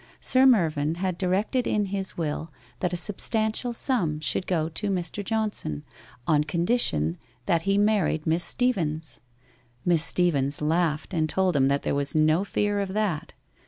Sir Mervyn had directed in his will that a substantial sum should go to Mr. Johnson on condition that he married Miss Steevens. Miss Stee vens laughed and told him that there was no fear of that.